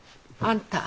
あんたは